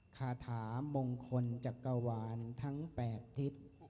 คาถามงคลจักรวาลทั้ง๘ทิศ